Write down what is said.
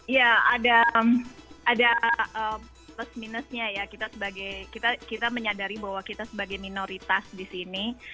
ya ada plus minusnya ya kita sebagai kita menyadari bahwa kita sebagai minoritas di sini